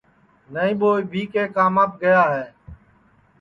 نائی ٻو ابھی کے کاماپ گیا ہے